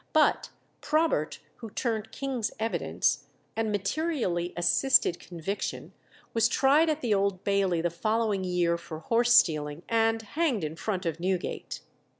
But Probert, who turned king's evidence, and materially assisted conviction, was tried at the Old Bailey the following year for horse stealing, and hanged in front of Newgate.